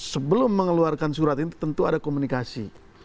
sebelum mengeluarkan surat ini tentu ada komunikasi